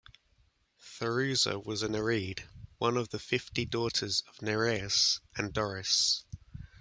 Pherusa was a Nereid, one of the fifty daughters of Nereus and Doris.